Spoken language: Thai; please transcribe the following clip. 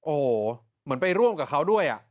โอ้โหเหมือนไปร่วมกับเขาด้วย